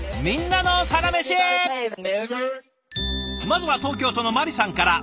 まずは東京都のまりさんから。